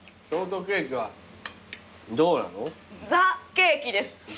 ザ・ケーキです。